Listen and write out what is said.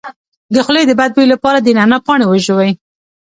د خولې د بد بوی لپاره د نعناع پاڼې وژويئ